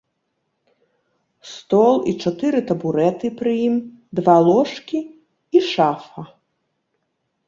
Стол і чатыры табурэты пры ім, два ложкі і шафа.